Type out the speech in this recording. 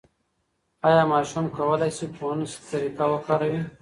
ایا ماشوم کولای شي فونس طریقه وکاروي؟